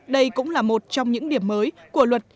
đây cũng là một trong những điểm mới của luật